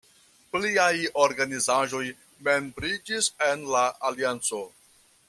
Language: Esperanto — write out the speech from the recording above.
Pliaj organizaĵoj membriĝis en la alianco.